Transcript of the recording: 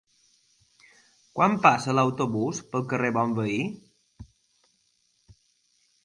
Quan passa l'autobús pel carrer Bonveí?